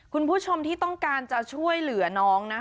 คุณผู้ชมที่ต้องการจะช่วยเหลือน้องนะ